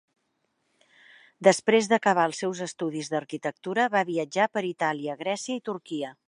Després d'acabar els seus estudis d'arquitectura va viatjar per Itàlia, Grècia i Turquia.